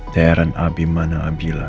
teran abimana abilah